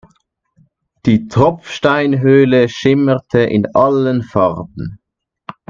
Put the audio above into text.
Die Tropfsteinhöhle schimmerte in allen Farben.